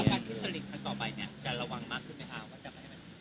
แล้วการขึ้นชะลิงของต่อไปเนี่ยจะระวังมากขึ้นไหมครับ